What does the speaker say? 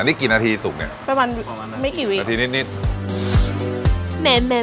นี่กี่นาทีสุกเนี่ยประมาณไม่กี่วินาทีนิดนิด